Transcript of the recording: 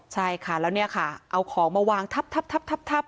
ใช่ค่ะแล้วเนี่ยค่ะเอาของมาวางทับ